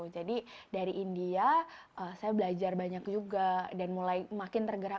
jadi dari india saya belajar banyak juga dan mulai makin tergerak